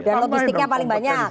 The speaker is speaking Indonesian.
dan logistiknya paling banyak